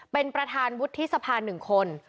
เป็นประธานวุฒิสภา๑คน